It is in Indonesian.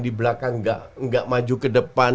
di belakang gak maju ke depan